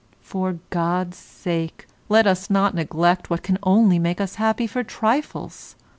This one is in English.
For God's sake let us not neglect what can only make us happy for trifles.